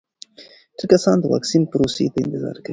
ډېر کسان د واکسین پروسې ته انتظار کوي.